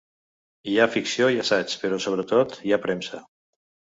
Hi ha ficció i assaig, però sobre tot hi ha premsa.